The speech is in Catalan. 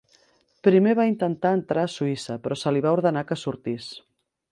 Primer va intentar entrar a Suïssa, però se li va ordenar que sortís.